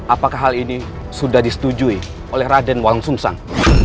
apakah hal ini sudah disetujui oleh raden walang sumsang